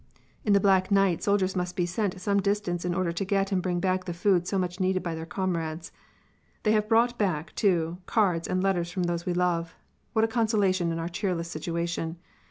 In the black night soldiers must be sent some distance in order to get and bring back the food so much needed by their comrades. They have brought back, too, cards and letters from those we love. What a consolation in our cheerless situation!